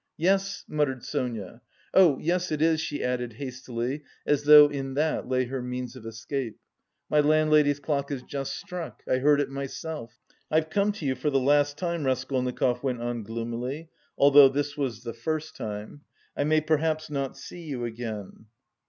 "Yes," muttered Sonia, "oh yes, it is," she added, hastily, as though in that lay her means of escape. "My landlady's clock has just struck... I heard it myself...." "I've come to you for the last time," Raskolnikov went on gloomily, although this was the first time. "I may perhaps not see you again..."